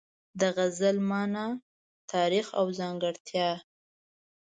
د غزل مانا، تاریخ او ځانګړتیا